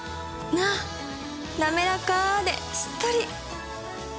なめらかでしっとり！